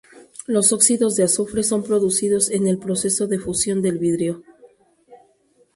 Los óxidos de azufre son producidos en el proceso de fusión del vidrio.